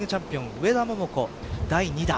上田桃子第２打。